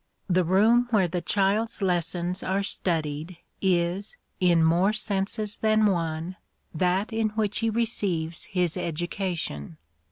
The room where the child's lessons are studied is, in more senses than one, that in which he receives his education.